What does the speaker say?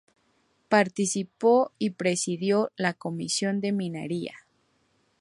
Participó y presidió la Comisión de Minería.